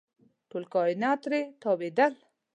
ټول کاینات ترې تاوېدل.